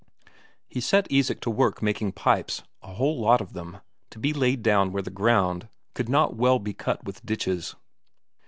He set Isak to work making pipes, a whole lot of them, to be laid down where the ground could not well be cut with ditches.